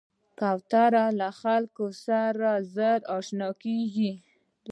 کوتره له خلکو سره ژر اشنا کېږي.